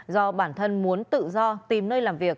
do bản thân muốn tự do tìm nơi làm việc